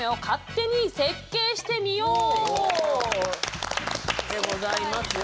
おお！でございますよ